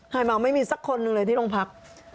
เมาไม่มีสักคนหนึ่งเลยที่โรงพัก